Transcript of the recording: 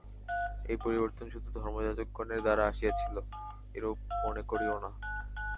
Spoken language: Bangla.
এই পরিবর্তন শুধু ধর্মযাজকগণের দ্বারা আসিয়াছিল, এরূপ মনে করিও না।